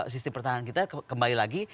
sistem pertahanan kita kembali lagi